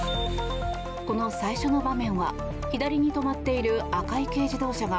この最初の場面は左に止まっている赤い軽自動車が